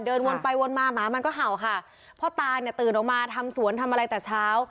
เดินวนไปวนมาหมามันก็เห่าค่ะพ่อตาเนี่ยตื่นออกมาทำสวนทำอะไรแต่เช้า